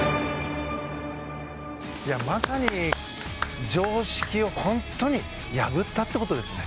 まさに常識をホントに破ったって事ですね。